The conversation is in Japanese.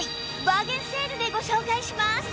バーゲンセールでご紹介します！